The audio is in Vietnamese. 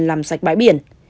làm sạch bãi biển